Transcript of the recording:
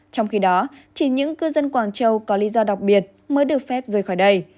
trong khi đó chỉ những cư dân quảng châu có lý do đặc biệt mới được phép rời khỏi đây